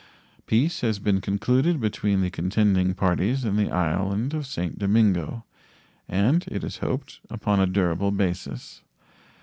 Peace has been concluded between the contending parties in the island of St. Domingo, and, it is hoped, upon a durable basis.